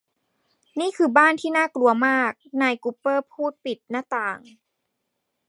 นี่คือบ้านที่น่ากลัวมากนายกุปเปอร์พูดปิดหน้าต่าง